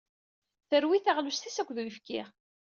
Terwi taɣlust-is akked uyefki.